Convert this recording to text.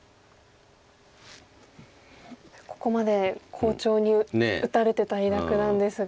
ここまで好調に打たれてた伊田九段ですが。